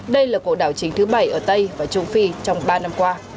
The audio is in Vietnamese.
đây là cuộc đảo chính thứ bảy ở tây và trung phi trong ba năm qua